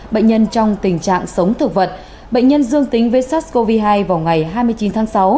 bệnh nhân trong tình trạng sống thực vật bệnh nhân dương tính với sars cov hai vào ngày hai mươi chín tháng sáu